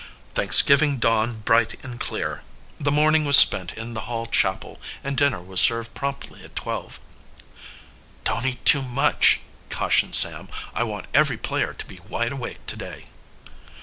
Thanksgiving dawned bright and clear. The morning was spent in the Hall chapel, and dinner was served promptly at twelve. "Don't eat too much," cautioned Sam. "I want every player to be wide awake today."